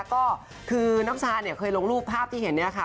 ก็คือน้ำชาเนี่ยเคยลงรูปภาพที่เห็นเนี่ยค่ะ